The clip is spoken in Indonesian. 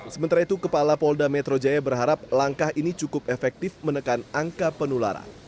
sementara itu kepala polda metro jaya berharap langkah ini cukup efektif menekan angka penularan